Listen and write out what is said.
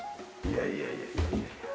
いやいやいやいや。